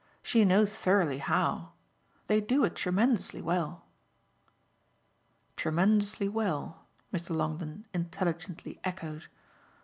She knows thoroughly how. They do it tremendously well." "Tremendously well," Mr. Longdon intelligently echoed.